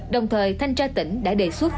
đồng thời thanh tra tỉnh đã đề xuất